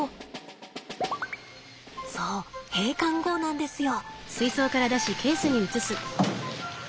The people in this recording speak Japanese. そう閉館後なんですよ。